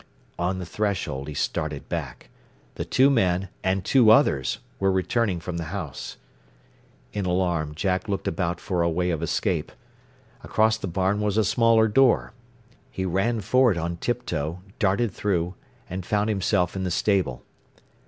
On the threshold he started back. The two men, and two others, were returning from the house. In alarm Jack looked about for a way of escape. Across the barn was a smaller door. He ran for it on tiptoe, darted through, and found himself in the stable.